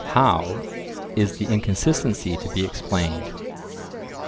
How is the inconsistency to be explained?